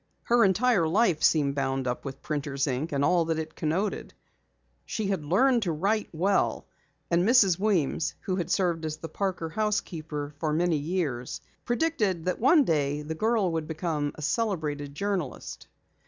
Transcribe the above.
Her entire life seemed bound up with printer's ink and all that it connoted. She had learned to write well and Mrs. Weems, who had served as the Parker housekeeper for many years, predicted that one day the girl would become a celebrated journalist.